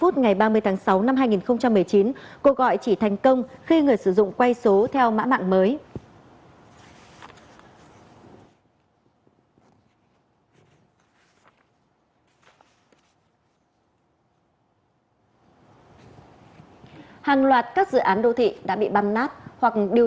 từ lúc h ngày một mươi năm tháng một mươi một năm hai nghìn một mươi tám đến hai mươi ba h năm mươi chín phút ngày ba mươi tháng sáu năm hai nghìn một mươi chín là giai đoạn duy trì âm thông báo